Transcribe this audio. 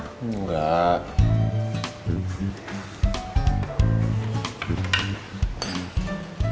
jangan kenceng kenceng mas nanti patah